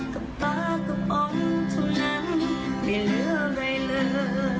กับตากระป๋องเท่านั้นไม่เหลืออะไรเลย